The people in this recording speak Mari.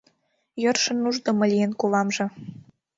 Йӧршын ушдымо лийын кувамже